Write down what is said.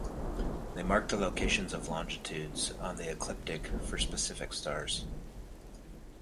They mark the locations of longitudes on the ecliptic for specific stars.